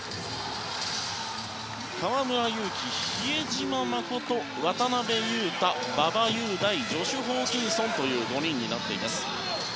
河村勇輝、比江島慎渡邊雄太、馬場雄大ジョシュ・ホーキンソンという５人になっています。